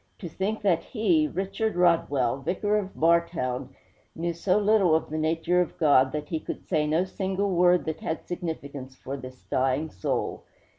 'To think that he Richard Rodwell, Vicar of Bartown knew so little of the nature of God that he could say no single word that had significance for this dying soul!